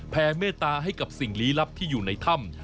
เมตตาให้กับสิ่งลี้ลับที่อยู่ในถ้ำ